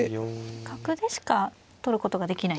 角でしか取ることができないんですね。